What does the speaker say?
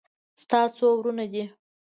ستا څو ورونه دي